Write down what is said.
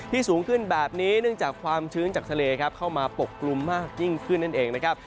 สูงขึ้นแบบนี้เนื่องจากความชื้นจากทะเลครับเข้ามาปกกลุ่มมากยิ่งขึ้นนั่นเองนะครับ